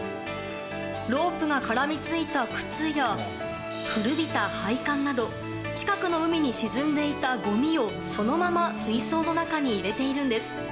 ロープが絡みついた靴や古びた配管など近くの海に沈んでいたごみを、そのまま水槽の中に入れているんです。